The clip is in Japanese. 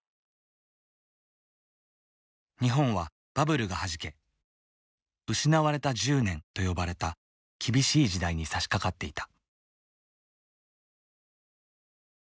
日本はバブルがはじけ失われた１０年と呼ばれた厳しい時代にさしかかっていた。